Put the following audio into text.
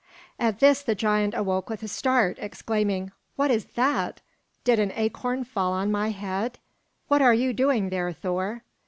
At this the giant awoke with a start, exclaiming, "What is that? Did an acorn fall on my head? What are you doing there, Thor?"